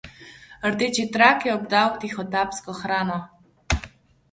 Rdeči trak je obdajal tihotapsko hrano.